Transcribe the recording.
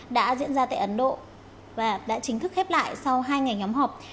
đã diễn ra tại ấn độ và đã chính thức khép lại sau hai ngày nhóm họp